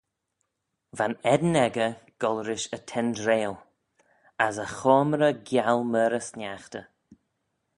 Va'n eddin echey goll-rish y tendreil, as e choamrey gial myr y sniaghtey.